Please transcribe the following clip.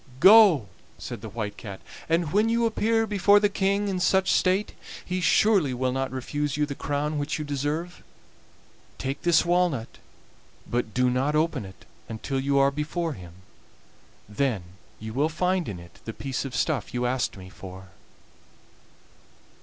"Go!" said the White Cat, "and when you appear before the King in such state he surely will not refuse you the crown which you deserve. Take this walnut, but do not open it until you are before him, then you will find in it the piece of stuff you asked me for."